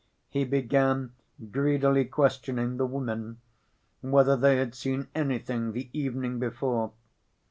He began greedily questioning the women whether they had seen anything the evening before.